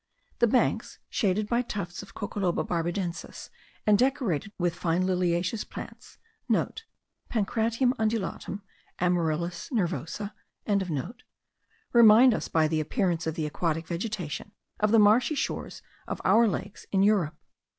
The banks, shaded by tufts of Coccoloba barbadensis, and decorated with fine liliaceous plants,* (* Pancratium undulatum, Amaryllis nervosa.) remind us, by the appearance of the aquatic vegetation, of the marshy shores of our lakes in Europe.